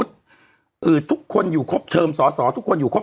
เราก็มีความหวังอะ